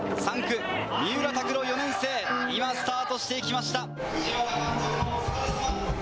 ３区、三浦拓朗４年生、今、スタートしていきました。